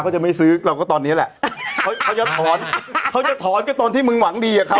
เขาจะไม่ซื้อเราก็ตอนนี้แหละเขาเขาจะถอนเขาจะถอนก็ตอนที่มึงหวังดีกับเขา